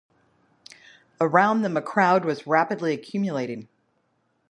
About them a crowd was rapidly accumulating.